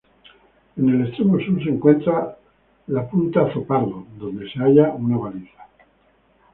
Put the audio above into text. En el extremo sur se encuentra la Punta Azopardo, donde se halla una baliza.